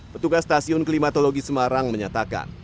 petugas stasiun klimatologi semarang menyatakan